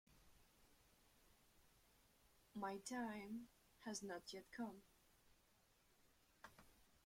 My time has not yet come.